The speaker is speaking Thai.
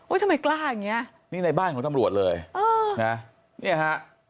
ทำไมกล้าอย่างเงี้ยนี่ในบ้านของตำรวจเลยเออนะเนี่ยฮะ